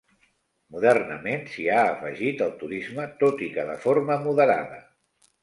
Modernament s'hi ha afegit el turisme, tot i que de forma moderada.